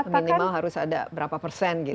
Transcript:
minimal harus ada berapa persen gitu